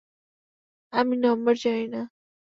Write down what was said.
আমি নাম্বার জানি না।